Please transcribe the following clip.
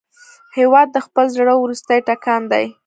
هېواد د خپل زړه وروستی ټکان دی.